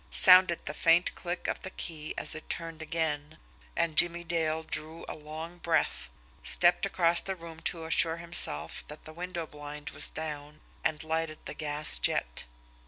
Sounded the faint click of the key as it turned again, and Jimmie Dale drew a long breath, stepped across the room to assure himself that the window blind was down, and lighted the gas jet.